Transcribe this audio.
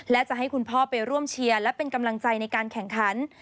และจะให้คุณพ่อไปร่วมเชียร์และเป็นกำลังใจในการแข่งขัน